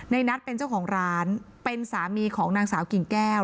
ในนัทเป็นเจ้าของร้านเป็นสามีของนางสาวกิ่งแก้ว